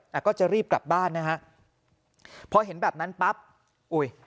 แต่ก็จะรีบกลับบ้านนะฮะพอเห็นแบบนั้นปั๊บอุ้ย